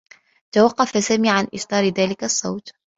توقّف سامي عن إصدار ذلك الصّوت.